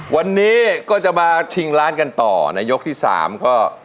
วันนี้ก็จะมาชิงล้านกันต่อในยกที่สามก็